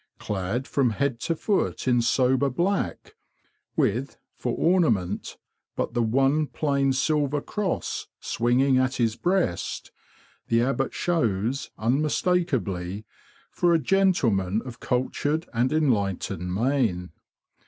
Clad from head to foot in sober black, with, for ornament, but the one plain silver cross swinging at his breast, the Abbot shows, unmistakably, for a gentleman of cultured and enlightened mien.